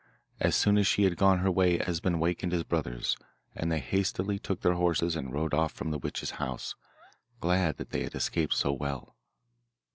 As soon as she had gone her way Esben wakened his brothers, and they hastily took their horses and rode off from the witch's house, glad that they had escaped so well.